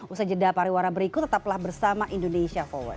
usaha jeda pariwara berikut tetaplah bersama indonesia forward